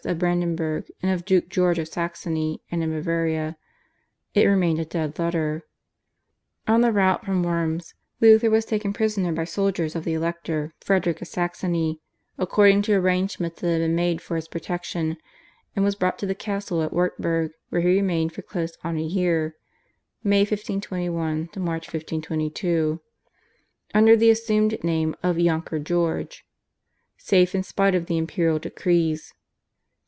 of Brandenburg and of Duke George of Saxony, and in Bavaria, it remained a dead letter. On the route from Worms Luther was taken prisoner by soldiers of the Elector, Frederick of Saxony, according to arrangements that had been made for his protection, and was brought to the castle at Wartburg where he remained for close on a year (May 1521 March 1522) under the assumed name of Yonker George, safe in spite of the imperial decrees.